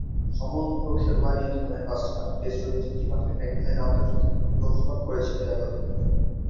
সমগ্র খেলোয়াড়ী জীবনে পাঁচটিমাত্র টেস্ট ও তিনটিমাত্র একদিনের আন্তর্জাতিকে অংশগ্রহণ করেছেন লিয়াকত আলী।